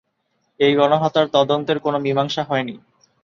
এই গণহত্যার তদন্তের কোনো মীমাংসা হয়নি।